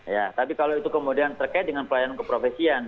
ya tapi kalau itu kemudian terkait dengan pelayanan keprofesian